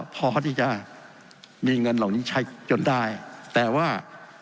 พอที่จะมีเงินเหล่านี้ใช้จนได้แต่ว่า